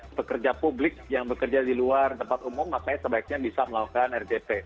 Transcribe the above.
seorang pejabat publik yang bekerja di luar tempat umum makanya sebaiknya bisa melakukan rtp